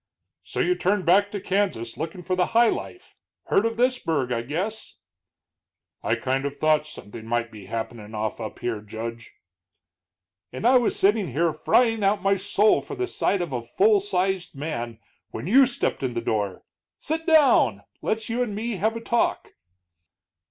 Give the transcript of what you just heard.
"So you turned back to Kansas lookin' for high life. Heard of this burg, I guess?" "I kind of thought something might be happenin' off up here, Judge." "And I was sitting here frying out my soul for the sight of a full sized man when you stepped in the door! Sit down; let's you and me have a talk."